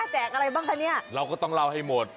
แจกอะไรบ้างคะเนี่ยเราก็ต้องเล่าให้หมด